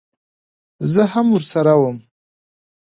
زه هم ورسره وم.